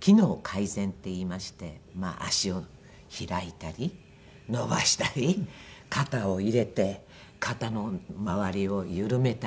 機能改善っていいましてまあ足を開いたり伸ばしたり肩を入れて肩の周りを緩めたり。